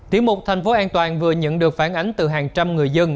tiểu mục thành phố an toàn vừa nhận được phản ánh từ hàng trăm người dân